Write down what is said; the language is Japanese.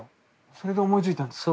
それで思いついたんですか？